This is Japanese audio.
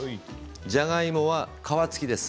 じゃがいもは皮付きです。